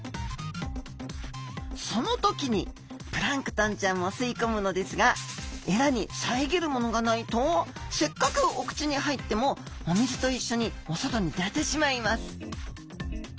その時にプランクトンちゃんも吸い込むのですがエラに遮るものがないとせっかくお口に入ってもお水と一緒にお外に出てしまいます